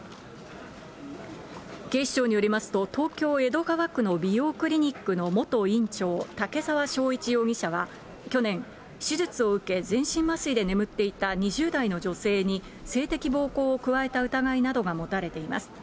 警視庁によりますと、東京・江戸川区の美容クリニックの元院長、竹沢章一容疑者は去年、手術を受け全身麻酔で眠っていた２０代の女性に、性的暴行を加えた疑いなどが持たれています。